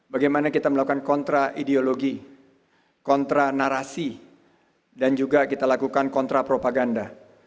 bagaimana kita melakukan kontra ideologi kontra narasi dan juga kita lakukan kontra propaganda